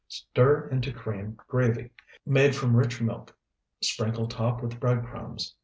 Stir into cream gravy, made from rich milk, sprinkle top with bread crumbs.